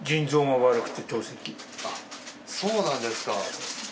そうなんですか。